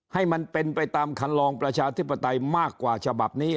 ให้มันเป็นไปตามคันลองประชาธิปไตยมากกว่าฉบับนี้